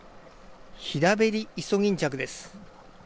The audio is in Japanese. ヒダベリイソギンチャクです。